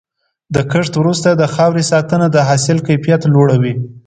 د کښت وروسته د خاورې ساتنه د حاصل کیفیت لوړوي.